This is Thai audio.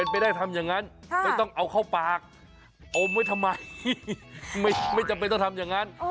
ไม่ได้ทำอย่างนั้นไม่ต้องเอาเข้าปากอมไว้ทำไมไม่จำเป็นต้องทำอย่างนั้น